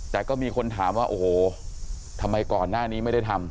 แต่ก็มีคนถามว่าโอ้โหทำไมก่อนหน้านี้ไม่ได้ทำ